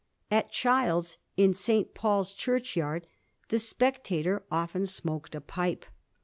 At Child's, in St. Paul's Churchyard, the * Spectator ' often smoked a pipe.